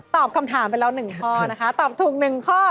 ตอบคำถามเป็นแล้ว๑ข้อตอบถูก๑ข้อ